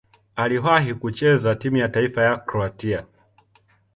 Aliwahi kucheza timu ya taifa ya Kroatia.